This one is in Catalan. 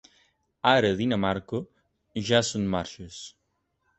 Ara a Dinamarca, ja són marxes.